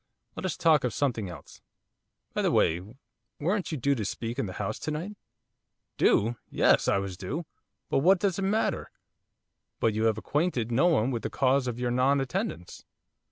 Let us talk of something else. By the way, weren't you due to speak in the House to night?' 'Due! Yes, I was due, but what does it matter?' 'But have you acquainted no one with the cause of your non attendance?